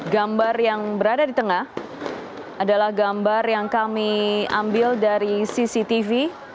gambar yang berada di tengah adalah gambar yang kami ambil dari cctv